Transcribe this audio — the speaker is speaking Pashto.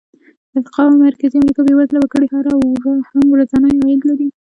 د افریقا او مرکزي امریکا بېوزله وګړي هم ورځنی عاید لري.